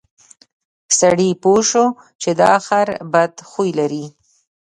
سړي پوه شو چې دا خر بد خوی لري.